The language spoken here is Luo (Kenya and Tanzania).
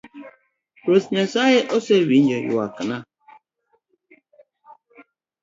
Ruoth nyasaye ose winjo ywakna.